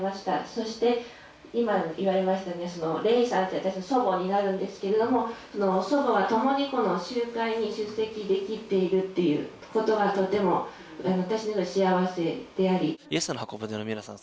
そして今言われましたレイさんっていう私の祖母になるんですけれども祖母がともに集会に出席できているっていうことがとても私にとって幸せでありイエスの方舟の皆さん